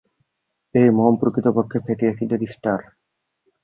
এই মোম প্রকৃতপক্ষে ফ্যাটি এসিডের ইস্টার।